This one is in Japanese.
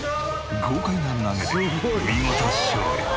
豪快な投げで見事勝利。